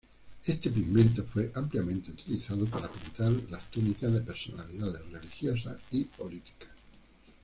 Este pigmento fue ampliamente utilizado para pintar las túnicas de personalidades religiosas y políticas.